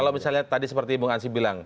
kalau misalnya tadi seperti bung ansi bilang